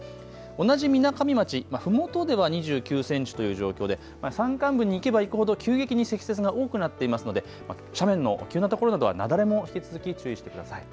同じみなかみ町、ふもとでは２９センチという状況で山間部に行けば行くほど急激に積雪が多くなっていますので斜面の急な所などは雪崩も引き続き注意してください。